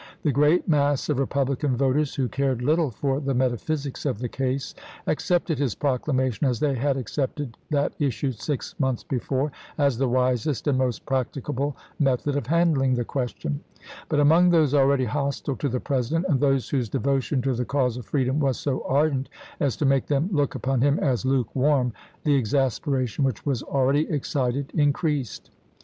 The great mass of Eepublican voters, who cared little for the metaphysics of the case, accepted his proclamation, as they had accepted that issued six months before, as the wisest and most practicable method of handling the question; but among those already hostile to the President, and those whose devotion to the cause of freedom was so ardent as to make them look upon him as luke warm, the exasperation which was already excited increased.